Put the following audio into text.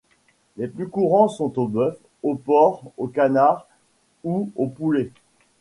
Les plus courants sont au bœuf, au porc, au canard ou au poulet.